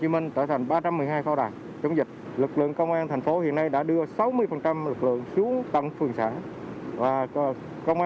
tham gia phòng chống dịch và cứu chữa bệnh nhân